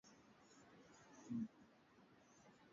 Maji yamemwagika kwa meza.